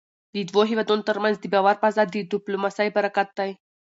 د دوو هېوادونو ترمنځ د باور فضا د ډيپلوماسی برکت دی .